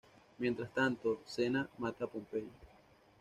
Mientras tanto, Xena mata a Pompeyo.